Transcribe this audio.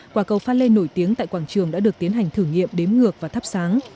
quả cầu pha lê nổi tiếng tại quảng trường đã được tiến hành thử nghiệm đếm ngược và thắp sáng